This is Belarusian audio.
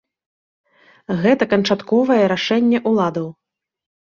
Гэта канчатковае рашэнне ўладаў.